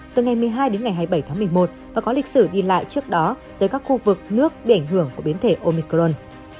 từ ngày một mươi hai đến ngày hai mươi bảy tháng một mươi một và có lịch sử đi lại trước đó tới các khu vực nước bị ảnh hưởng của biến thể omicron